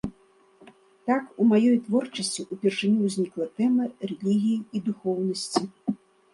Так у маёй творчасці ўпершыню ўзнікла тэма рэлігіі і духоўнасці.